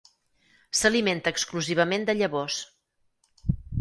S'alimenta exclusivament de llavors.